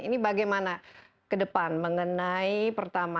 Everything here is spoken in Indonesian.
ini bagaimana ke depan mengenai pertama